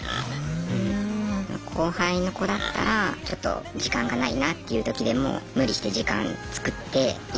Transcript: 後輩の子だったらちょっと時間がないなっていうときでも無理して時間作って分かるよ。